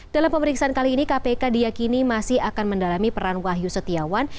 dalam pemeriksaan kali ini kpk diakini masih akan mendalami peran wahyu setiawan